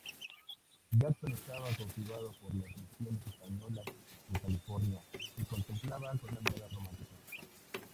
Jackson estaba cautivada por las misiones españolas en California, que contemplaba con mirada romántica.